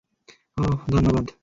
অহ, ধন্যবাদ।